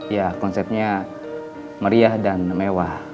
ya konsepnya meriah dan mewah